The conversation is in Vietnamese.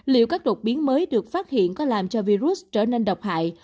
liệu các đột biến mới được phát hiện có làm cho virus trở nên độc hại